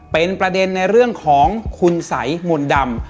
เป็นประเด็นในเรื่องของคุณสัยมนต์ดำ